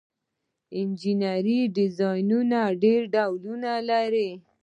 انجنیری ډیزاین ډیر ډولونه لري.